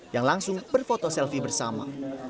yang langsung berfoto selfie bersama